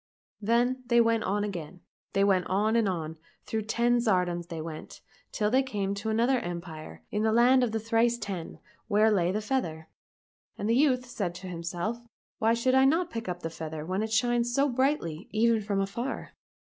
Then they went on again. They went on and on, through ten tsardoms they went, till they came to another empire in the land of Thrice Ten where lay ^ I.e. Burning bright. 95 COSSACK FAIRY TALES the feather. And the youth said to himself, " Why should I not pick up the feather when it shines so brightly even from afar